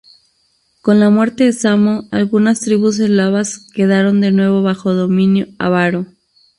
Con la muerte de Samo, algunas tribus eslavas quedaron de nuevo bajo dominio ávaro.